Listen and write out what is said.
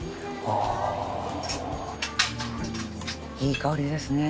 いい香りですね。